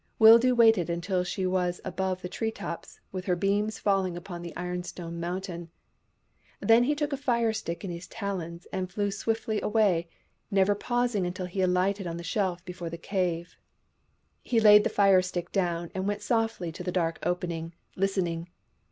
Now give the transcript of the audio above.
Wildoo waited until she was above the tree tops, with her beams falling upon the iron stone mountain. Then he took a fire stick in his 2o6 THE BURNING OF THE CROWS talons and flew swiftly away, never pausing until he alighted on the shelf before the cave. He laid the fire stick down and went softly to the dark opening, listening.